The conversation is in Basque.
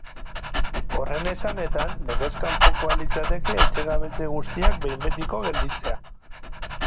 Horren esanetan, legez kanpokoa litzateke etxegabetze guztiak behin betiko gelditzea.